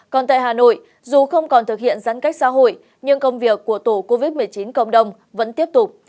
còn tại hà nội dù không còn thực hiện giãn cách xã hội nhưng công việc của tổ covid một mươi chín cộng đồng vẫn tiếp tục